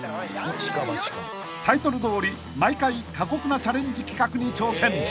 ［タイトルどおり毎回過酷なチャレンジ企画に挑戦］